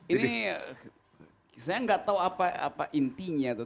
ini saya nggak tahu apa intinya tuh